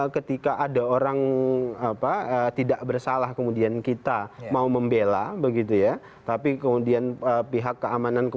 ketika ada orang apa tidak bersalah kemudian kita mau membela begitu ya tapi kemudian pihak keamanan